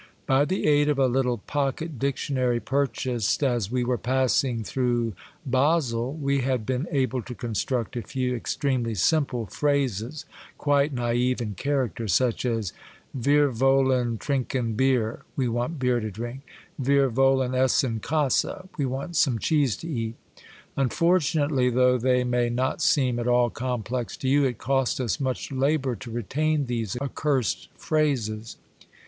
By the aid of a little pocket dictionary purchased as we were passing through Basle, we had been able to construct a few ex tremely simple phrases, quite naive in character, such as " Vir vollen trinken Bier,'' ''We want beer to drink," '' Vir vollen essen Kdse!' '' We want some cheese to eat." Unfortunately, though they may not seem at all complex to you, it cost us much labor to retain these accursed phrases.